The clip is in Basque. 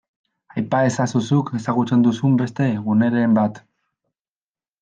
Aipa ezazu zeuk ezagutzen duzun beste guneren bat.